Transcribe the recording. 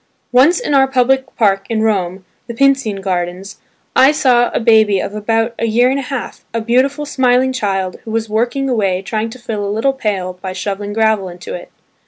Once in our public park in Rome, the Pincian Gardens, I saw a baby of about a year and a half, a beautiful smiling child, who was working away trying to fill a little pail by shoveling gravel into it.